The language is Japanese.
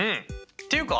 っていうか